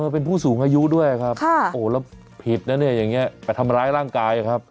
เป็นผู้สูงอายุด้วยครับโอ้แล้วผิดนะเนี่ยอย่างนี้ไปทำร้ายร่างกายครับ